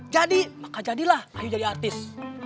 jadi maka jadilah ayu jadi artis